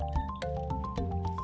sementara presiden jokowi